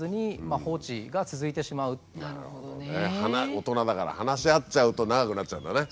大人だから話し合っちゃうと長くなっちゃうんだね。